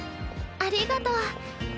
ありがとう。